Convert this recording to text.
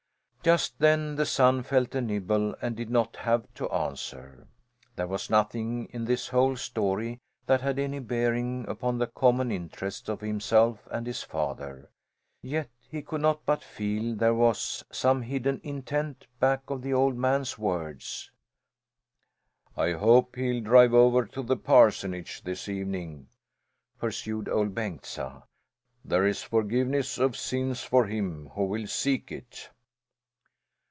Just then the son felt a nibble, and did not have to answer. There was nothing in this whole story that had any bearing upon the common interests of himself and his father, yet he could not but feel there was some hidden intent back of the old man's words. "I hope he'll drive over to the parsonage this evening," pursued Ol' Bengtsa. "There is forgiveness of sins for him who will seek it."